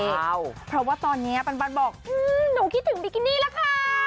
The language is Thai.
ว้าวเพราะว่าตอนเนี้ยปันปันบอกอืมหนูคิดถึงบิกินี่แหละค่ะ